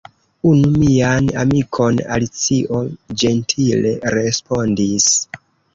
"Unu mian amikon," Alicio ĝentile respondis.